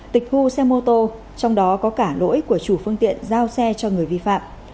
tịch thu xe mô tô trong đó có cả lỗi của chủ phương tiện giao xe cho người vi phạm